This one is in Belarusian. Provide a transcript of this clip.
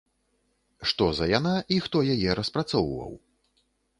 Што за яна і хто яе распрацоўваў?